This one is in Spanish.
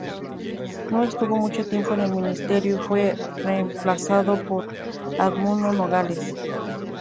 No estuvo mucho tiempo en el ministerio y fue reemplazado por Edmundo Nogales.